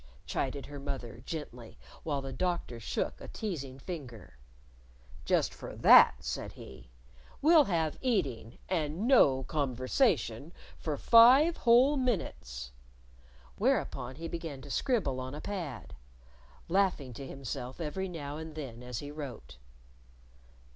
chided her mother gently while the Doctor shook a teasing finger. "Just for that," said he, "we'll have eating and no conversation for five whole minutes." Whereupon he began to scribble on a pad, laughing to himself every now and then as he wrote.